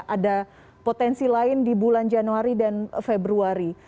ada potensi lain di bulan januari dan februari